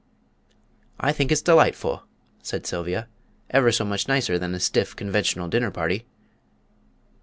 "I think it's delightful," said Sylvia; "ever so much nicer than a stiff, conventional dinner party."